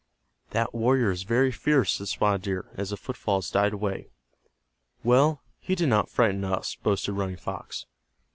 "That warrior is very fierce," said Spotted Deer, as the footfalls died away. "Well, he did not frighten us," boasted Running Fox.